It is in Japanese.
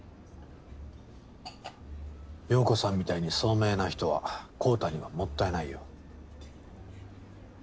陽子さんみたいに聡明な人は昂太にはもったいないよ。